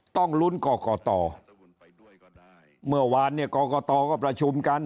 ต้องลุ้นกรกตเมื่อวานเนี่ยกรกตก็ประชุมกัน